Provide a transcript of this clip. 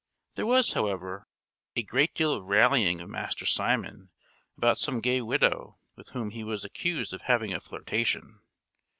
There was, however, a great deal of rallying of Master Simon about some gay widow, with whom he was accused of having a flirtation.